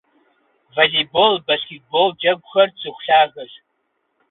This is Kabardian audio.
Волейбол, баскетбол джэгухэр цӏыху лъагэщ.